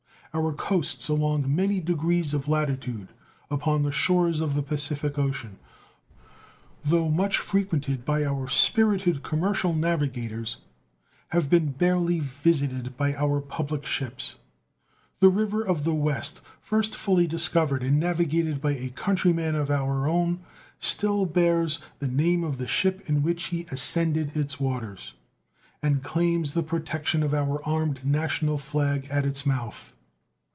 Our coasts along many degrees of latitude upon the shores of the Pacific Ocean, though much frequented by our spirited commercial navigators, have been barely visited by our public ships. The River of the West, first fully discovered and navigated by a country man of our own, still bears the name of the ship in which he ascended its waters, and claims the protection of our armed national flag at its mouth.